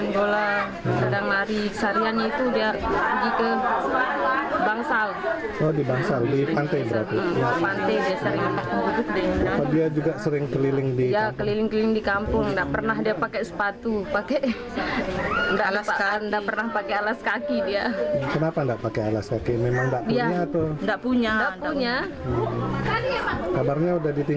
bagaimana perasaan kamu sekarang